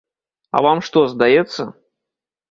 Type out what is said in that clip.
А вам што, здаецца?